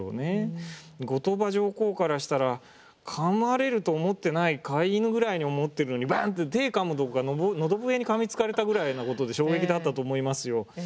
後鳥羽上皇からしたらかまれると思ってない飼い犬ぐらいに思ってるのにバンって手をかむどころか喉笛にかみつかれたぐらいなことで衝撃だったと思いますよ。